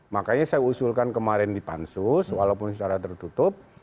makanya saya usulkan kemarin di pansus walaupun secara tertutup